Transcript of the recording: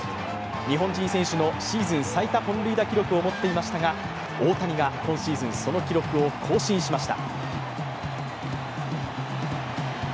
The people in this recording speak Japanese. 日本人選手のシーズン最多本塁打記録を持っていましたが大谷が今シーズンその記録を更新しました。